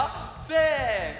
せの！